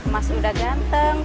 mas udah ganteng